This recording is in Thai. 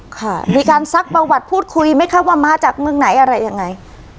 ค่ะมีการซักประวัติพูดคุยไหมคะว่ามาจากเมืองไหนอะไรยังไง